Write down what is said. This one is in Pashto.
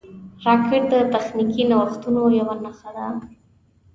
راکټ د تخنیکي نوښتونو یوه نښه ده